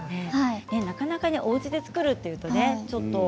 なかなかおうちで作るとなるとね